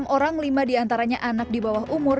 enam orang lima diantaranya anak di bawah umur